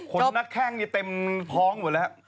ขนนักแข้งเต็มท้องหมดแล้ว